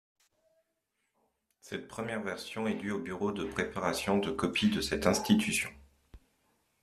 Cette première version est due au Bureau de préparation de copie de cette institution.